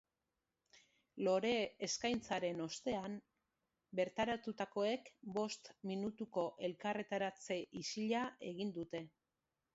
Lore eskaintzaren ostean, bertaratutakoek bost minutuko elkarretaratze isila egin dute.